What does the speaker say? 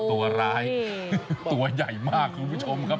ตัวใหญ่มากคุณผู้ชมครับ